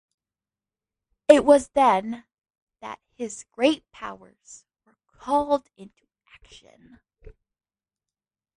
It was then that his great powers were called into action.